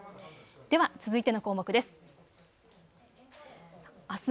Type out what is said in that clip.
では続いての項目です。